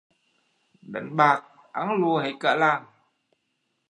Đánh bạc ăn lùa hết cả làng